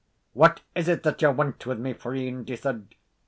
"What is it that you want with me, freend?" he said.